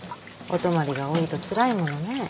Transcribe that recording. お泊まりが多いとつらいものね。